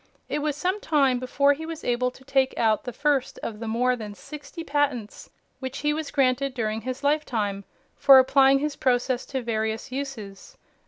It was some time before he was able to take out the first of the more than sixty patents which he was granted during his lifetime for applying his process to various uses.